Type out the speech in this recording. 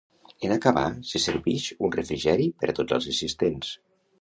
En acabar, se servix un refrigeri per a tots els assistents.